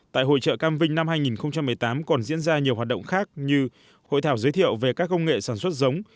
tại hội trợ cam vinh năm hai nghìn một mươi tám còn diễn ra nhiều hoạt động khác như hội thảo giới thiệu về các công nghệ sản xuất giống